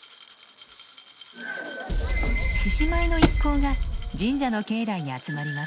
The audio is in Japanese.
獅子舞の一行が神社の境内に集まります。